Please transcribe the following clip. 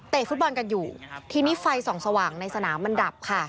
ฟุตบอลกันอยู่ทีนี้ไฟส่องสว่างในสนามมันดับค่ะ